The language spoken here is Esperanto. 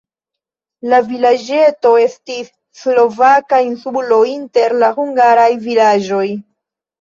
La vilaĝeto estis slovaka insulo inter la hungaraj vilaĝoj.